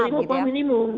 dia menerima upah minimum